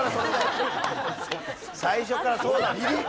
最初からそれだよ。